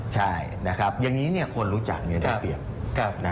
ใช่อย่างนี้คนรู้จักได้เปรียบ